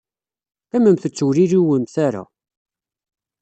Qqimemt ur ttewliwilemt ara.